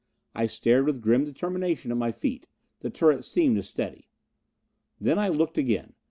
I stared with grim determination at my feet. The turret seemed to steady. Then I looked again.